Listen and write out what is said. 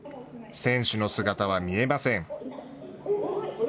選手の姿は見えません。